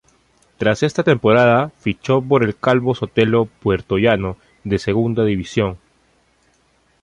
Tras esta temporada fichó por el Calvo Sotelo Puertollano de Segunda División.